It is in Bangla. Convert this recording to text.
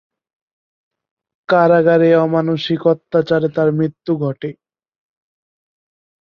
কারাগারে অমানুষিক অত্যাচারে তার মৃত্যু ঘটে।